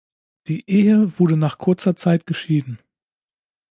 Die Ehe wurde nach kurzer Zeit geschieden.